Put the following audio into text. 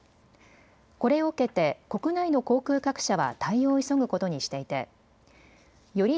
これを受けて国内の航空各社は対応を急ぐことにしていてより